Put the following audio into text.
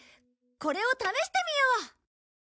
これを試してみよう！